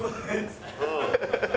うん。